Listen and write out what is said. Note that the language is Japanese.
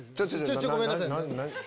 ちょっとごめんなさい。